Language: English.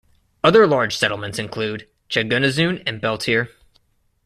Other large settlements include Chaganuzun and Beltir.